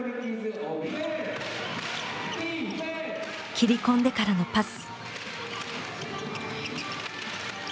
切り込んでからのパス。